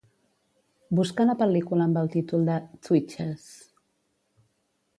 Busca la pel·lícula amb el títol de "Twitches"